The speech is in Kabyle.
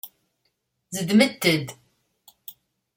Zedment-d.